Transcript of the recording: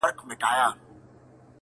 • انساني وجدان پوښتنه راپورته کوي تل,